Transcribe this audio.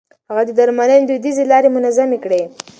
هغه د درملنې دوديزې لارې منظمې کړې.